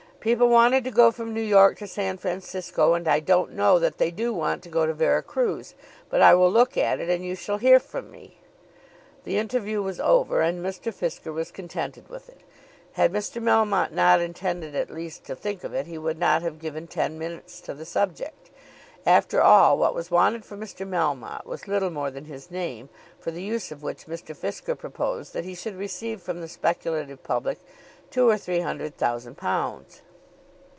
People wanted to go from New York to San Francisco, and I don't know that they do want to go to Vera Cruz. But I will look at it, and you shall hear from me." The interview was over, and Mr. Fisker was contented with it. Had Mr. Melmotte not intended at least to think of it he would not have given ten minutes to the subject. After all, what was wanted from Mr. Melmotte was little more than his name, for the use of which Mr. Fisker proposed that he should receive from the speculative public two or three hundred thousand pounds.